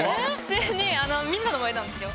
普通にみんなの前なんですよ。